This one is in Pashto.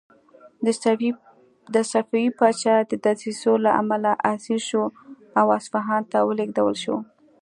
د صفوي پاچا د دسیسو له امله اسیر شو او اصفهان ته ولېږدول شو.